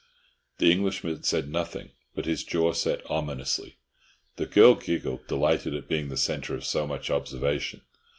The Englishman said nothing, but his jaw set ominously. The girl giggled, delighted at being the centre of so much observation.